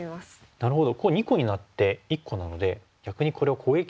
なるほど。